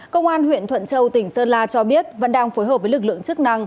công an huyện thuận châu tỉnh sơn la cho biết vẫn đang phối hợp với lực lượng chức năng